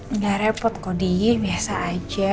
engga repot kok di biasa aja